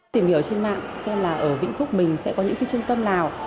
tìm hiểu trên mạng xem là ở vĩnh phúc mình sẽ có những trung tâm nào